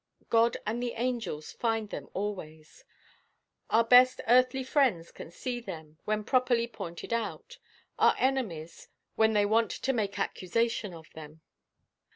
God and the angels find them always; our best earthly friends can see them, when properly pointed out; our enemies, when they want to make accusation of them.